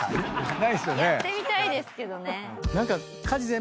やってみたいですけどね。